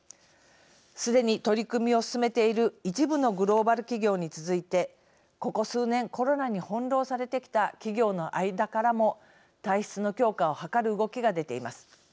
すでに取り組みを進めている一部のグローバル企業に続いてここ数年コロナに翻弄されてきた企業の間からも体質の強化を図る動きが出ています。